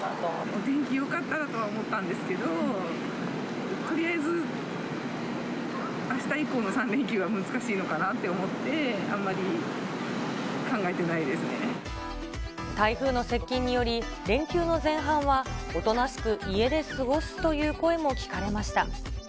お天気よかったらとは思ったんですけど、とりあえずあした以降の３連休は難しいのかなって思台風の接近により、連休の前半はおとなしく家で過ごすという声も聞かれました。